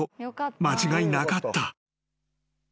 間違いなかった］